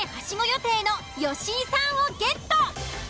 予定の吉井さんをゲット。